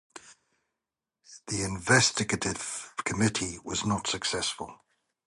The investigative committee was not successful.